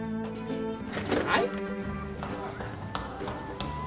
はい？